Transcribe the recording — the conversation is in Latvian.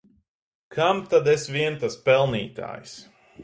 Kam tad es vien tas pelnītājs!